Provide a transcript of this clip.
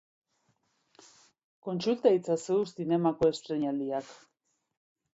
Kontsulta itzazu zinemako estreinaldiak.